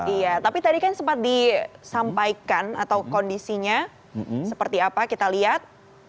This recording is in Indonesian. iya tapi tadi kan sempat disampaikan atau kondisinya seperti apa kita lihat